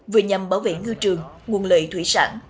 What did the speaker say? vừa nhằm bảo vệ ngư trường nguồn lợi thủy sản